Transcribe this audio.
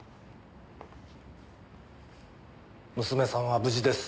娘さんは無事です。